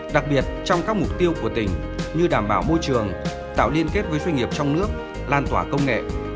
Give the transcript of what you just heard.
đặc biệt trong các mục tiêu của tỉnh như đảm bảo môi trường tạo liên kết với doanh nghiệp trong nước lan tỏa công nghệ